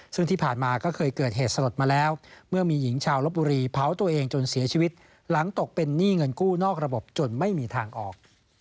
ซึ่งที่ผ่านมาก็เคยเกิดเหตุสลดมาแล้วเมื่อมีหญิงชาวลบบุรีเผาตัวเองจนเสียชีวิตหลังตกเป็นหนี้เงินกู้นอกระบบจนไม่มีทางออก